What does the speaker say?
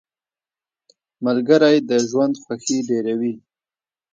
ملګری د ژوند خوښي ډېروي.